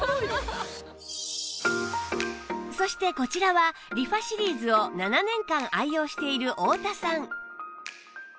そしてこちらはリファシリーズを７年間愛用している太田さん